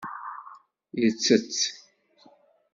Yettett.